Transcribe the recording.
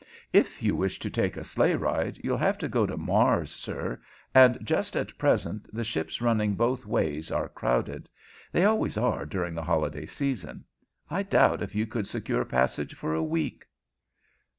If you wish to take a sleigh ride you'll have to go to Mars, sir, and just at present the ships running both ways are crowded. They always are during the holiday season. I doubt if you could secure passage for a week."